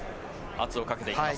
圧をかけていきます。